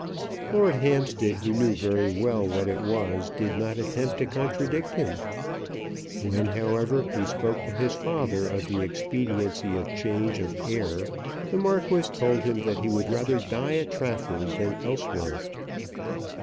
Lord Hampstead, who knew very well what it was, did not attempt to contradict him. When, however, he spoke to his father of the expediency of change of air, the Marquis told him that he would rather die at Trafford than elsewhere.